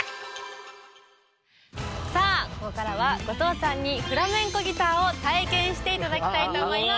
さあここからは後藤さんにフラメンコギターを体験して頂きたいと思います！